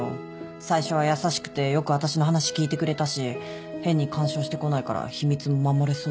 最初は優しくてよく私の話聞いてくれたし変に干渉してこないから秘密も守れそうだなって。